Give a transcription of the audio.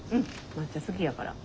抹茶好きやから。